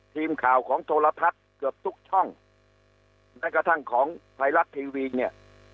ทีมข่าวของโทรทัศน์เกือบทุกช่องแม้กระทั่งของไทยรัฐทีวีเนี่ย